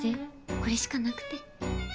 これしかなくて。